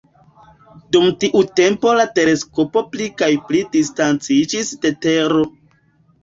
Dum tiu tempo la teleskopo pli kaj pli distanciĝis de Tero.